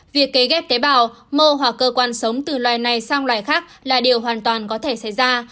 việc cấy ghép tế bào mô hoặc cơ quan sống từ loài này sang loài khác là điều hoàn toàn có thể xảy ra